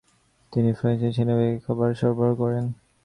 তিনি ফ্রাঙ্কিশ সেনাবাহিনীকে খাবার সরবরাহ করেন।